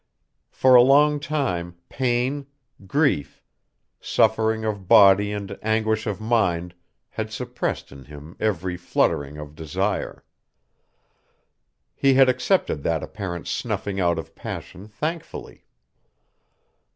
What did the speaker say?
For a long time pain, grief, suffering of body and anguish of mind had suppressed in him every fluttering of desire. He had accepted that apparent snuffing out of passion thankfully.